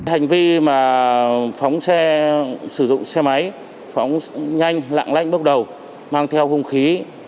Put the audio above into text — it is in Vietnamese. hành vi mà phóng xe sử dụng xe máy phóng nhanh lạng lãnh bước đầu mang theo không khí